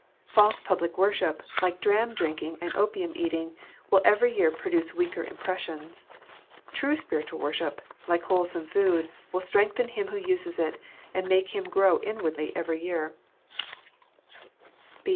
False public worship, like dram drinking and opium eating, will every year produce weaker impressions. True spiritual worship, like wholesome food, will strengthen him who uses it, and make him grow inwardly every year.